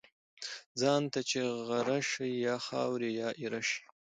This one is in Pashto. ځان ته چی غره شی ، یا خاوري یا ايره شی .